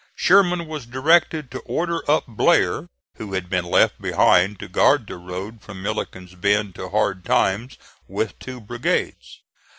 Sherman was directed to order up Blair, who had been left behind to guard the road from Milliken's Bend to Hard Times with two brigades.